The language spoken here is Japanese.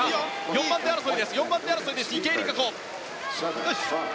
４番手争いです、池江璃花子。